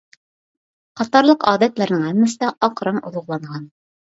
قاتارلىق ئادەتلەرنىڭ ھەممىسىدە ئاق رەڭ ئۇلۇغلانغان.